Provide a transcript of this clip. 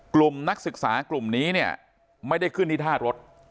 กลุ่มนักศึกษากลุ่มนี้ไม่ได้ขึ้นที่ท่ารถ